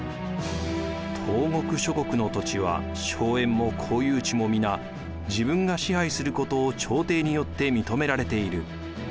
「東国諸国の土地は荘園も公有地も皆自分が支配することを朝廷によって認められている」。